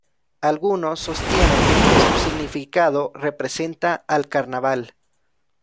Algunos sostienen que su significado representa al carnaval.